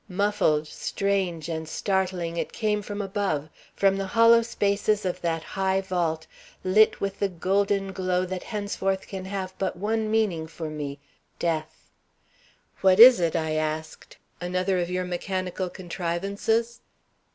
Muffled, strange, and startling it came from above, from the hollow spaces of that high vault lit with the golden glow that henceforth can have but one meaning for me death. "What is it?" I asked. "Another of your mechanical contrivances?"